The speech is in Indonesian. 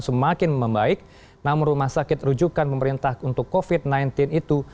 semakin membaik namun rumah sakit rujukan pemerintah untuk covid sembilan belas itu